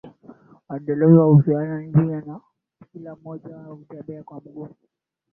Madereva hupeana njia na kila mmoja na watembea kwa miguu